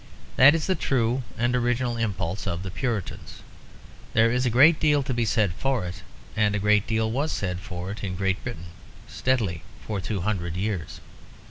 That is the true and original impulse of the Puritans. There is a great deal to be said for it, and a great deal was said for it in Great Britain steadily for two hundred years.